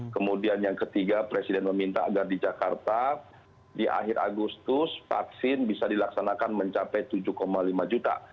kemudian yang ketiga presiden meminta agar di jakarta di akhir agustus vaksin bisa dilaksanakan mencapai tujuh lima juta